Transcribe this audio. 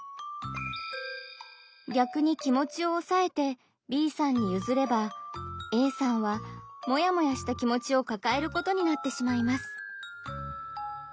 逆に気持ちをおさえてＢさんにゆずればＡさんはモヤモヤした気持ちをかかえることになってしまいます。